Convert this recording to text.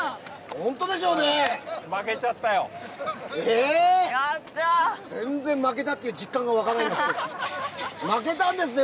本当でしょうね！